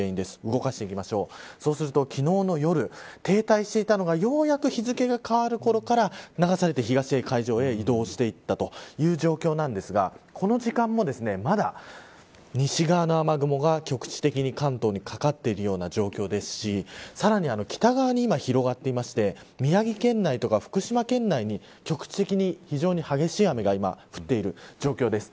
動かしていくと昨日の夜、停滞していたのがようやく日付が変わるころから流されて東の海上へ移動していったという状況なんですがこの時間もまだ西側の雨雲が局地的に関東にかかっているような状況ですしさらに北側に今広がっていまして宮城県内とか福島県内に局地的に非常に激しい雨が今、降っている状況です。